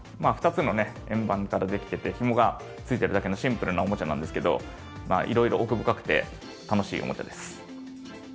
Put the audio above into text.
２つの円盤からできててひもがついてるだけのシンプルなおもちゃなんですけど色々奥深くて楽しいおもちゃです